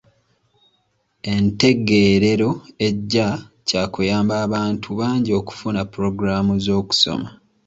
Entegeerero ejja kyakuyamba bantu bangi okufuna pulogulaamu z'okusoma.